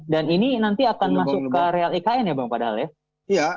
dan ini nanti akan masuk ke real ikn ya bang padahal ya